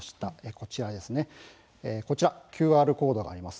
こちらＱＲコードがあります。